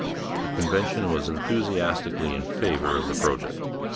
The convention was enthusiastically in favour of the project.